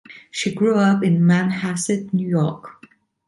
She grew up in Manhasset, New York.